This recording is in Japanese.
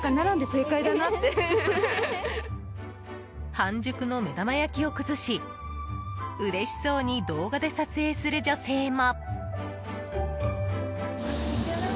半熟の目玉焼きを崩しうれしそうに動画で撮影する女性も。